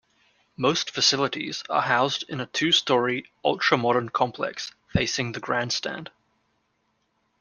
Most facilities are housed in a two-storey ultra modern complex facing the grandstand.